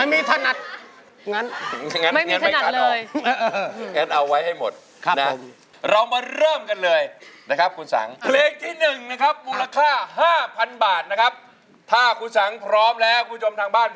มาล่ะครับ